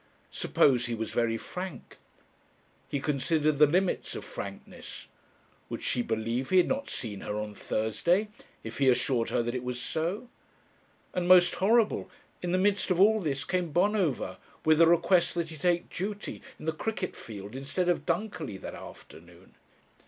Suppose he was very frank He considered the limits of frankness. Would she believe he had not seen her on Thursday? if he assured her that it was so? And, most horrible, in the midst of all this came Bonover with a request that he would take "duty" in the cricket field instead of Dunkerley that afternoon.